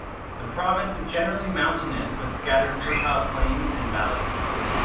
The province is generally mountainous with scattered fertile plains and valleys.